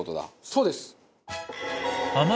そうです。